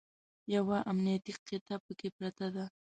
یوه امنیتي قطعه پکې پرته ده.